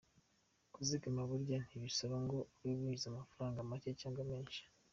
Kuzigama burya ntibisaba ngo ube winjiza amafaranga macye cyangwa menshi.